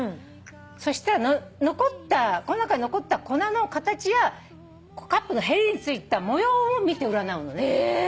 そしたらこの中に残った粉の形やカップのへりについた模様を見て占うのね。